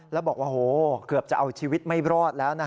แล้วบอกว่าเกือบจะเอาชีวิตไม่รอดแล้ว